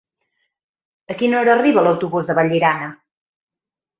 A quina hora arriba l'autobús de Vallirana?